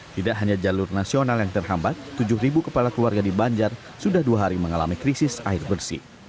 tidak hanya jalur nasional yang terhambat tujuh kepala keluarga di banjar sudah dua hari mengalami krisis air bersih